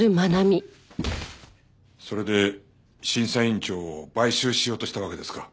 それで審査員長を買収しようとしたわけですか。